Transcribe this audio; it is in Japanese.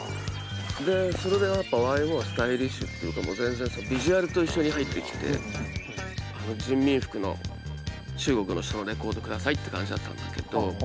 でそれでやっぱＹＭＯはスタイリッシュっていうかもう全然ビジュアルと一緒に入ってきて「あの人民服の中国の人のレコード下さい」って感じだったんだけど。